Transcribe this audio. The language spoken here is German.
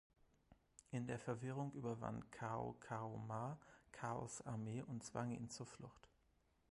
In der Verwirrung überwand Cao Cao Ma Chaos Armee und zwang ihn zur Flucht.